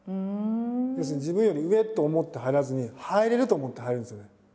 要するに「自分より上」と思って入らずに「入れる」と思って入るんですよね。